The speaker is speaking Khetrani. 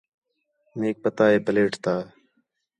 میک پتہ ہے پلیٹ تا